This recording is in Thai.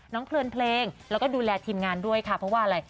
เพลินเพลงแล้วก็ดูแลทีมงานด้วยค่ะเพราะว่าอะไร